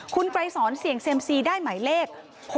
คุณไกรสอนเสี่ยงเซียมซีได้หมายเลข๖๖